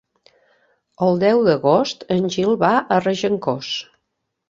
El deu d'agost en Gil va a Regencós.